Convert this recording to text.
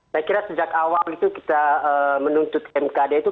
saya kira sejak awal itu kita menuntut mkd itu